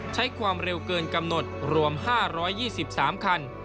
ใช้ความเร็วเกินกำหนดรวม๕๒๓คัน